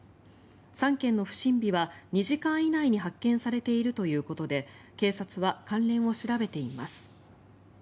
３件の不審火は２時間以内に発見されているということで警察は関連を調べています。